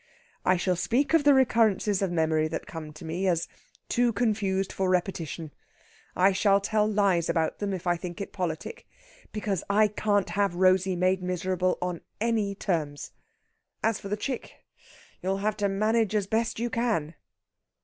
I shall speak of the recurrences of memory that come to me, as too confused for repetition. I shall tell lies about them if I think it politic. Because I can't have Rosey made miserable on any terms. As for the chick, you'll have to manage the best you can."